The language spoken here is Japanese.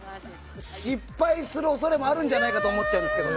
失敗する恐れもあるんじゃないかと思っちゃうんですけど。